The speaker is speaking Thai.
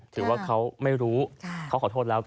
ถือว่าเขาไม่รู้เขาขอโทษแล้ว